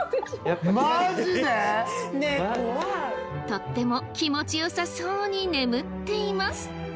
とっても気持ちよさそうに眠っています。